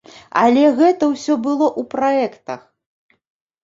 Але гэта ўсё было ў праектах.